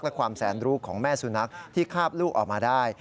และความแสนรู้ของแม่สุนัขที่คาบลูกออกมาได้